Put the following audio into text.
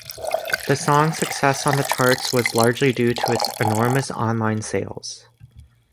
The song's success on the charts was largely due to its enormous online sales.